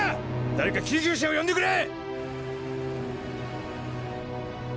誰か救急車を呼んでくれ！